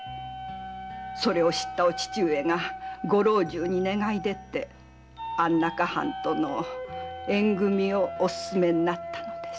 それを知ったお父上がご老中に願い出て安中藩との縁組みをすすめたのです。